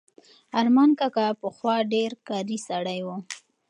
ارمان کاکا پخوا ډېر کاري سړی و.